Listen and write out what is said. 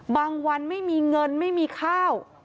วันไม่มีเงินไม่มีข้าว